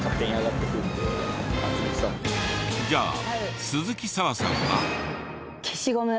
じゃあ鈴木砂羽さんは？